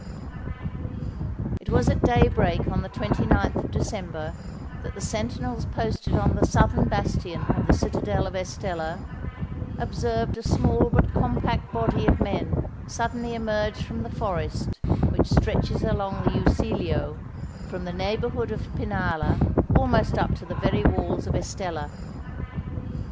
It was at day break on the 29th of December, that the sentinels posted on the southern bastion of the citadel of Estella, observed a small but compact body of men suddenly emerge from the forest which stretches along the Usiglio, from the neighbourhood of Pinalla almost up to the very walls of Estella.